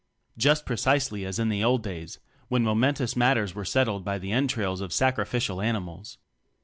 Just pre cisely as in the old days when mo mentous matters were settled by the entrails of sacrificial animals.